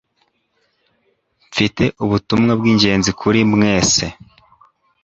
Mfite ubutumwa bwingenzi kuri mwese.